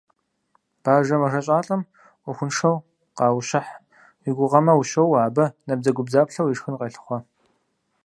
Бажэ мэжэщӏалӏэм ӏуэхуншэу къыущыхь уи гугъэмэ, ущоуэ, абы набдзэгубдзаплъэу ишхын къелъыхъуэ.